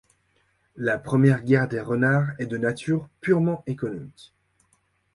La première guerre des Renards est de nature purement économique.